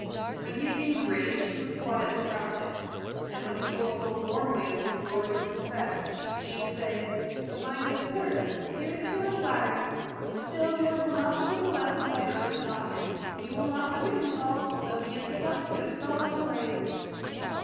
When he became great, she was quietly proud of him. And when people spoke warmly of his glory and success, she would say: "But, my good sirs, here is too much flattery. Still, George will not forget the lessons I early taught him. He will not forget himself, though he is the subject of so much praise."